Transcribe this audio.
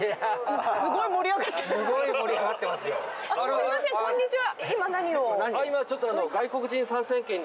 すみません、こんにちは。